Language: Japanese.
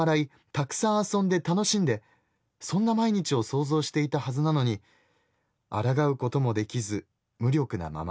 たくさん遊んで楽しんでそんな毎日を想像していたはずなのに抗うこともできず無力なまま。